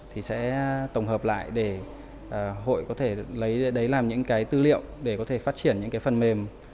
thì sẽ tổng hợp lại để hội có thể lấy đấy làm những cái tư liệu để có thể phát triển những cái phần mềm